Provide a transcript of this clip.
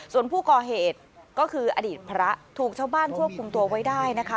ส่วนผู้ก่อเหตุก็คืออดีตพระถูกชาวบ้านควบคุมตัวไว้ได้นะคะ